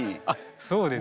そうですね。